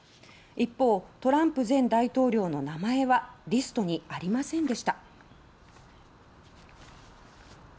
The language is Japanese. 一方、トランプ前大統領の名前はリストにありませんでした。